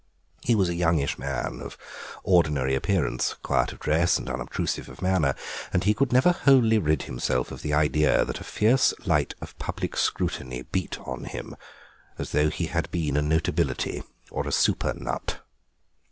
He was a youngish man of ordinary appearance, quiet of dress and unobtrusive of manner, and he could never wholly rid himself of the idea that a fierce light of public scrutiny beat on him as though he had been a notability or a super nut.